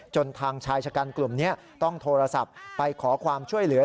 ทางชายชะกันกลุ่มนี้ต้องโทรศัพท์ไปขอความช่วยเหลือ